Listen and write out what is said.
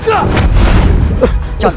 untuk mengingkari semua perjanjian kita